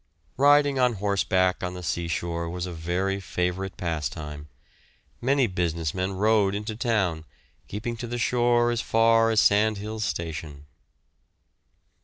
Riding on horseback on the sea shore was a very favourite pastime. Many business men rode into town, keeping to the shore as far as Sandhills Station.